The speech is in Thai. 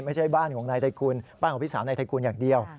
ไม่ใช่บ้านของนายไทกูลบ้านของพี่สาวนายไทกูลอย่างเดียว